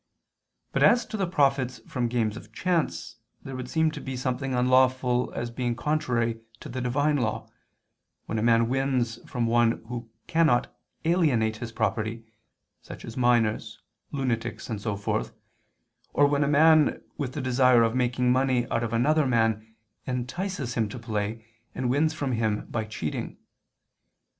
But as to the profits from games of chance, there would seem to be something unlawful as being contrary to the Divine Law, when a man wins from one who cannot alienate his property, such as minors, lunatics and so forth, or when a man, with the desire of making money out of another man, entices him to play, and wins from him by cheating.